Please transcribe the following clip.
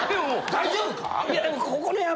大丈夫か？